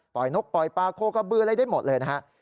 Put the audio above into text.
นกปล่อยปลาโคกะบืออะไรได้หมดเลยนะฮะ